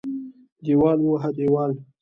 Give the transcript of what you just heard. دېوال ووهه دېوال.